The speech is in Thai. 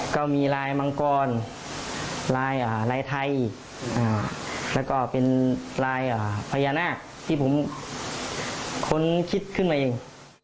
ก็มีลายมังกรลายไทยอีกแล้วก็เป็นลายพญานาคที่ผมค้นคิดขึ้นมาเอง